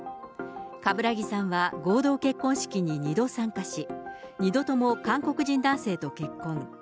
冠木さんは合同結婚式に２度参加し、２度とも韓国人男性と結婚。